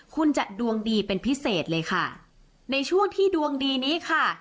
คุณจะดวงดีเป็นพิเศษเลยค่ะในช่วงที่ดวงดีนี้ค่ะ